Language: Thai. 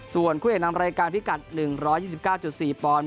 ส่วนคุณแห่งน่ำระยาการพิกัดหนึ่งร้อยยี่สิบเก้าจุดสี่ปอนด์